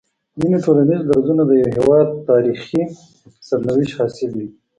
ځيني ټولنيز درځونه د يوه هيواد د تاريخي سرنوشت حاصل وي